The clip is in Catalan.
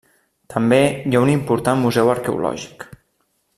També hi ha un important museu arqueològic.